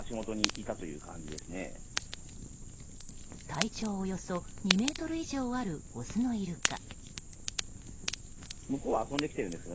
体長およそ２ｍ以上あるオスのイルカ。